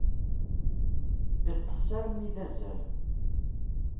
Iṭṭes armi d azal.